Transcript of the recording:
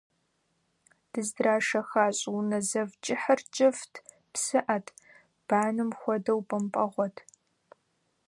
Дыздрашэха щӏыунэ зэв кӏыхьыр кӏыфӏт, псыӏэт, бэным хуэдэу бэмпӏэгъуэт.